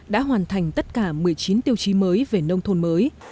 đã hoàn thành tất cả một mươi chín tiêu chí mới về nông thôn mới